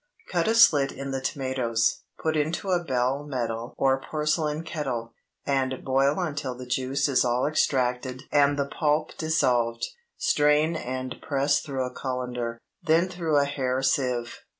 Cut a slit in the tomatoes, put into a bell metal or porcelain kettle, and boil until the juice is all extracted and the pulp dissolved. Strain and press through a cullender, then through a hair sieve.